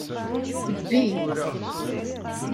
Bbi.